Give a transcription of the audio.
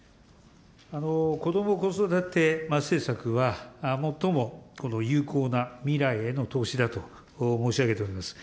こども・子育て政策は、最も有効な未来への投資だと申し上げております。